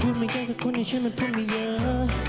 พูดไม่ได้ก็คุณให้ฉันมันพูดไม่เยอะ